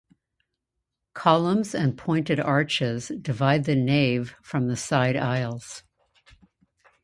Columns and pointed arches divide the nave from the side aisles.